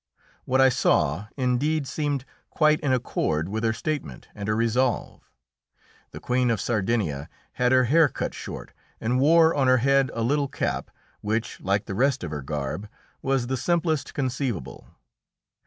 What I saw indeed seemed quite in accord with her statement and her resolve. The Queen of Sardinia had her hair cut short and wore on her head a little cap, which, like the rest of her garb, was the simplest conceivable.